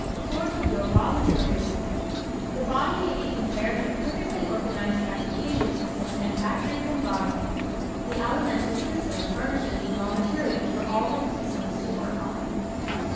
Source of Your Raw Materials ¶ The body may be compared to a perfectly organized transportation system and factory combined. The Alimentive system furnishes the raw materials for all the systems to work on.